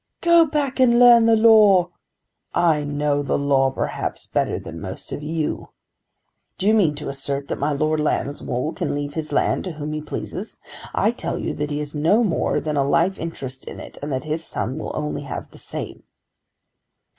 "Go back and learn the law." "I know the law perhaps better than most of you. Do you mean to assert that my Lord Lambswool can leave his land to whom he pleases? I tell you that he has no more than a life interest in it, and that his son will only have the same."